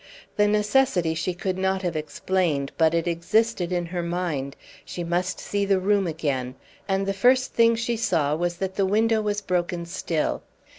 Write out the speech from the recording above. The necessity she could not have explained, but it existed in her mind; she must see the room again. And the first thing she saw was that the window was broken still.